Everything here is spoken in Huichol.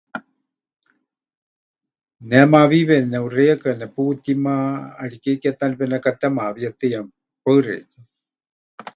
Ne mawiiwe neʼuxeiyaka neputíma, ʼariké ke ta nepenekatemawíetɨya. Paɨ xeikɨ́a.